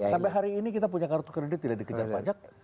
sampai hari ini kita punya kartu kredit tidak dikejar pajak